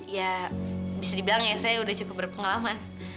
ya bisa dibilang ya saya udah cukup berpengalaman